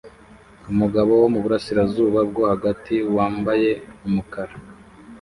Umugabo wo muburasirazuba bwo hagati wambaye umukara